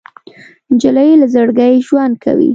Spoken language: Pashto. نجلۍ له زړګي ژوند کوي.